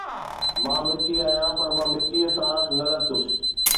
مان مٽي آهيان، پر مان مٽيءَ سان نه لٿس